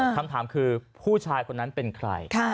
คำถามคือผู้ชายคนนั้นเป็นใคร